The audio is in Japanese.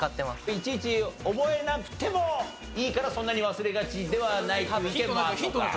いちいち覚えなくてもいいからそんなに忘れがちではないっていう意見もあるのか。